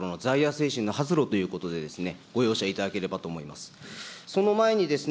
ところの在野精神の発露ということでございまして、ご容赦いただければと思います。